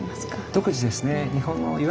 独自ですね。